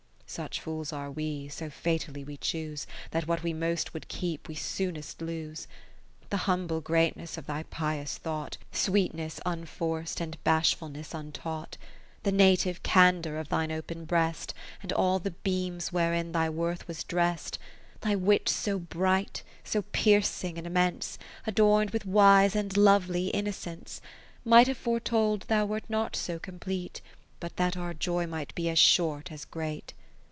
Such fools are we, so fatally we choose, That what we most would keep, we soonest lose. The humble greatness of thy pious thought. Sweetness unforc'd, and bashfulness untaught, The native candour of thine open breast, And all the beams wherein thy worth was drest, 60 Thy wit so bright, so piercing and immense, Adorn'd with wise and lovely inno cence, Might have foretold thou wert not so complete, But that our joy might be as short as great.